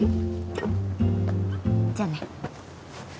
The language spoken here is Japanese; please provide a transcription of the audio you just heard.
じゃあね。